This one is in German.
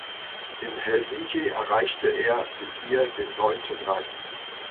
In Helsinki erreichte er mit ihr den neunten Rang.